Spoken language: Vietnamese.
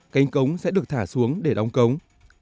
cánh cống sẽ được thả xuống để đóng cống